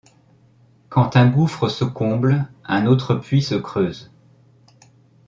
Quand un gouffre se comble, un autre puits se creuse.